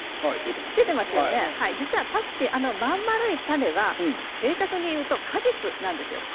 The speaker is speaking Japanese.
パクチーの真ん丸い種は正確に言うと果実なんですよ。